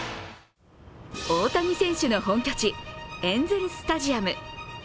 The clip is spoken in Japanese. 大谷選手の本拠地エンゼル・スタジアム。